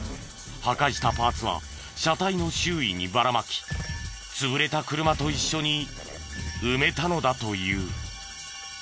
破壊したパーツは車体の周囲にばらまき潰れた車と一緒に埋めたのだという。